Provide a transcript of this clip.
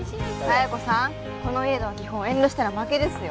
佐弥子さんこの家では基本遠慮したら負けですよ